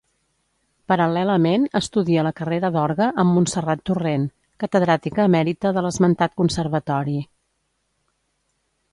Paral·lelament estudia la carrera d'orgue amb Montserrat Torrent, catedràtica emèrita de l'esmentat Conservatori.